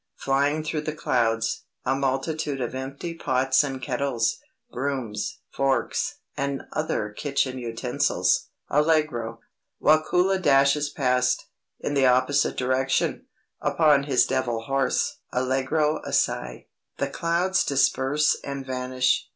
Flying through the clouds, a multitude of empty pots and kettles, brooms, forks, and other kitchen utensils (Allegro). Wakula dashes past, in the opposite direction, upon his devil horse (Allegro assai). The clouds disperse and vanish.